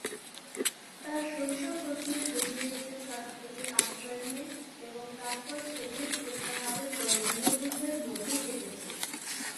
তার শৈশব প্রথমে সোভিয়েতদের কাছ থেকে আশ্রয় নিয়ে এবং তারপর সোভিয়েত প্রত্যাহারের পর গৃহযুদ্ধের মধ্যে কেটেছে।